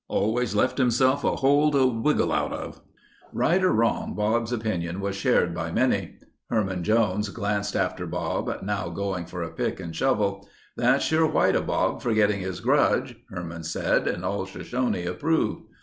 Always left himself a hole to wiggle out of." Right or wrong, Bob's opinion was shared by many. Herman Jones glanced after Bob, now going for a pick and shovel. "That's sure white of Bob, forgetting his grudge," Herman said and all Shoshone approved.